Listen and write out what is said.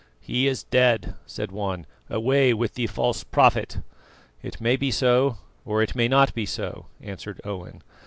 "He is dead," said one; "away with the false prophet!" "It may be so, or it may not be so," answered Owen.